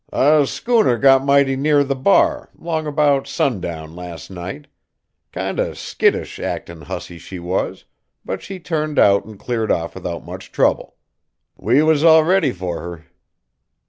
"A schooner got mighty near the bar 'long 'bout sundown last night. Kinder skittish actin' hussy she was, but she turned out an' cleared off without much trouble. We was all ready fur her."